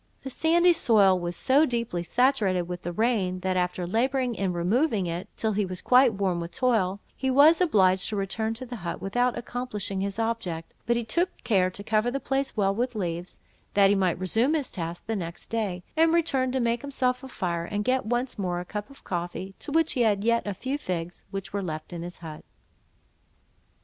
The sandy soil was so deeply saturated with the rain, that, after labouring in removing it till he was quite worn with toil, he was obliged to return to the hut, without accomplishing his object; but he took care to cover the place well with leaves, that he might resume his task the next day: and returned to make himself a fire, and get once more a cup of coffee, to which he had yet a few figs, which were left in his hut.